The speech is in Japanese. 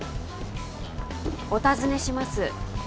お尋ねします